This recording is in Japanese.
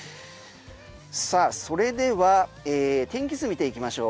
さあそれでは天気図、見ていきましょう。